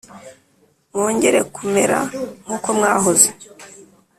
Mwongere kumera nk ‘uko mwahoze .